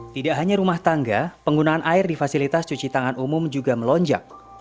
tidak hanya rumah tangga penggunaan air di fasilitas cuci tangan umum juga melonjak